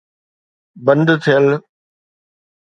بند ٿيل.